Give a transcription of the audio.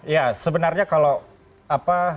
ya sebenarnya kalau apa